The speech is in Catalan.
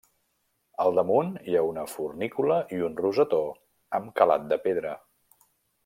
Al damunt hi ha una fornícula i un rosetó amb calat de pedra.